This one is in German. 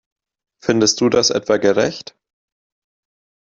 Findest du das etwa gerecht?